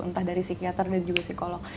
entah dari psikiater dan juga psikolog